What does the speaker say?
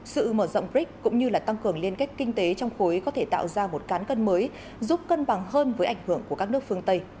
sự mở rộng brics cũng như tăng cường liên kết kinh tế trong khối có thể tạo ra một cán cân mới giúp cân bằng hơn với ảnh hưởng của các nước phương tây